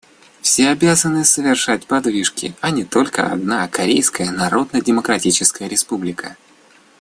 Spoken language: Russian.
Все обязаны совершать подвижки, а не только одна Корейская Народно-Демократическая Республика.